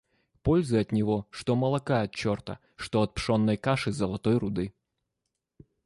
Пользы от него, что молока от черта, что от пшенной каши — золотой руды.